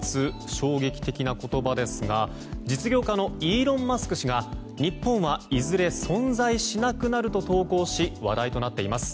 衝撃的な言葉ですが実業家のイーロン・マスク氏が日本はいずれ存在しなくなると投稿し話題となっています。